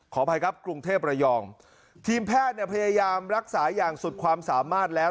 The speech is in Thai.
ขออภัยครับกรุงเทพระยองทีมแพทย์เนี่ยพยายามรักษาอย่างสุดความสามารถแล้ว